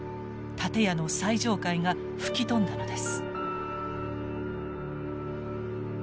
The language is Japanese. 建屋の最上階が吹き飛んだのです。